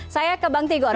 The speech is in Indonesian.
saya ke bang tigor